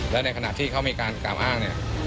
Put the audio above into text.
และในขณะที่เขามีการกล่าวอ้างเนี่ย